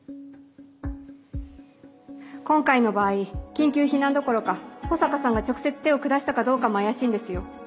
今回の場合緊急避難どころか保坂さんが直接手を下したかどうかも怪しいんですよ。